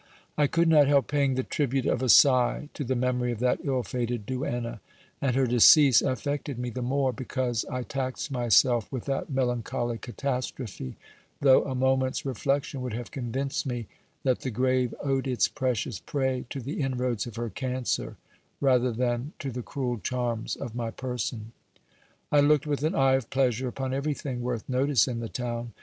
I could not help paying the tribute of a sigh to the memory of that ill fated duenna ; and her decease affected me the more, because I taxed myself with that melancholy catastrophe, though a moment's reflection would have convinced me, that the grave owed its precious prey to the inroads of her cancer rather than to the cruel charms of my person. I looked with an eye of pleasure upon everything worth notice in the town.